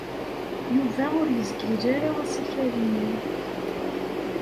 Yuba ur yezgil ara asakal-nni.